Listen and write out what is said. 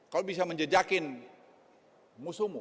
kau bisa menjejakin musuhmu